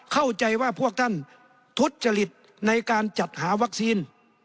เข้าใจว่าพวกท่านทุจจริตในการจัดหาวัคซีน